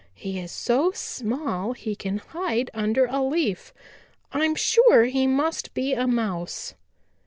"He is so small he can hide under a leaf. I'm sure he must be a Mouse."